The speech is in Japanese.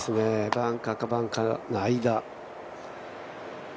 バンカーか、バンカーの間。